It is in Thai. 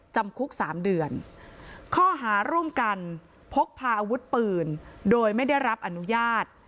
จำคุก๓เดือนข้อหาร่วมกันพกพาอาวุธปืนโดยไม่ได้รับอนุญาต